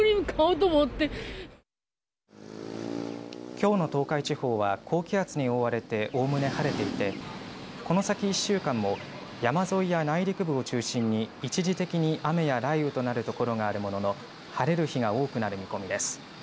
きょうの東海地方は高気圧に覆われておおむね晴れていてこの先１週間も山沿いや内陸部を中心に一時的に雨や雷雨となるところがあるものの晴れる日が多くなる見込みです。